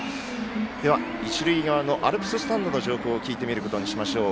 では一塁側のアルプススタンドの情報を聞いてみることにしましょう。